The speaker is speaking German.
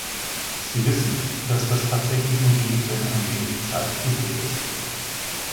Sie wissen, dass das tatsächlich nur geht, wenn ein wenig Zeit übrig ist.